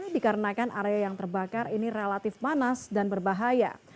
dikarenakan area yang terbakar ini relatif panas dan berbahaya